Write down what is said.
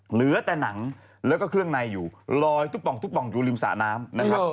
เหลือแต่หนังแล้วก็เครื่องในอยู่ลอยตุ๊กป่องอยู่ริมสระน้ำนะฮะ